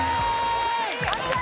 お見事！